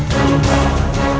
perasaan semua saping kayak gini